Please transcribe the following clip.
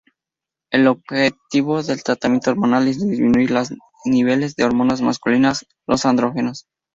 El objetivo del tratamiento hormonal es disminuir los niveles de hormonas masculinas, los andrógenos.